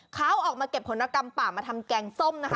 เขาออกมาเก็บผลกรรมป่ามาทำแกงส้มนะคะ